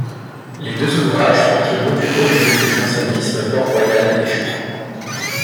Les deux ouvrages portent le nom du haut-lieu du jansénisme Port-Royal des Champs.